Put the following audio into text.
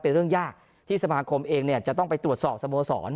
เป็นเรื่องยากที่สมาคมเองจะต้องไปตรวจสอบสโมสร